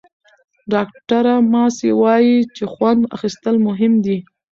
ډاکټره ماسي وايي چې خوند اخیستل مهم دي.